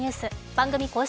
番組公式